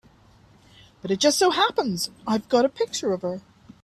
But it just so happens I've got a picture of her.